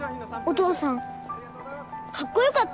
お父さんかっこよかった。